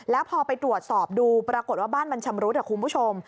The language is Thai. แล้วพอไปตรวจสอบดูปรากฏว่าบ้านมันชำรุดคุณผู้ชม